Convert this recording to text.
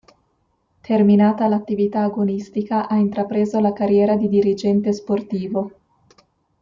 Terminata l'attività agonistica ha intrapreso la carriera di dirigente sportivo.